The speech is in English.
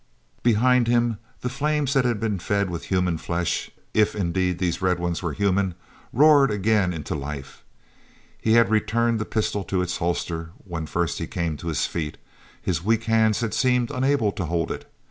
Behind him, the flames that had been fed with human flesh—if indeed these red ones were human—roared again into life. He had returned the pistol to its holster when first he came to his feet; his weak hands had seemed unable to hold it.